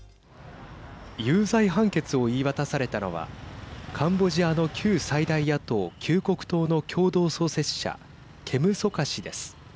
有罪判決を言い渡されたのはカンボジアの旧最大野党・救国党の共同創設者ケム・ソカ氏です。